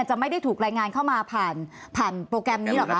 จะไม่ได้ถูกรายงานเข้ามาผ่านผ่านโปรแกรมนี้หรอกค